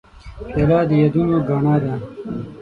پیاله د یادونو ګاڼه ده.